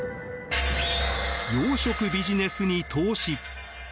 養殖ビジネスに投資。